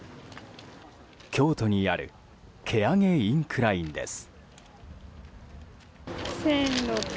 京都にある蹴上インクラインです。